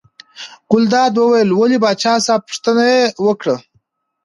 ګلداد وویل ولې پاچا صاحب پوښتنه یې وکړه.